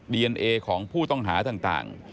ดีเอนเอของผู้ต้องหาต่าง